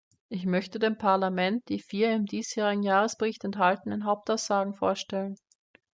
Ich möchte dem Parlament die vier im diesjährigen Jahresbericht enthaltenen Hauptaussagen vorstellen.